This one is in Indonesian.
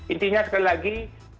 intinya sekali lagi